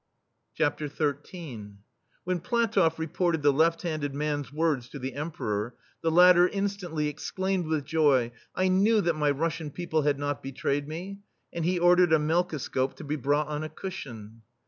THE STEEL FLEA XIII When PlatofF reported the left handed man's words to the Emperor, the latter instantly exclaimed with joy :" I knew that my Russian people had not be trayed me!" and he ordered a melko scope to be brought on a cushion.